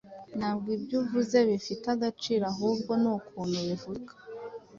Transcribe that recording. Ntabwo ibyo uvuga bifite agaciro, ahubwo nukuntu ubivuga.